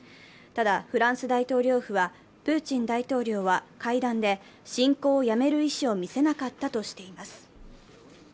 ただフランス大統領府はプーチン大統領は会談で侵攻をやめる意思を見せなかったとしています。